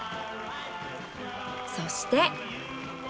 そして。